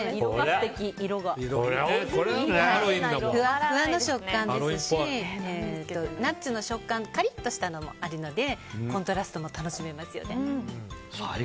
ふわふわの食感ですしナッツの食感のカリッとしたものもあるのでコントラストも楽しめますよね。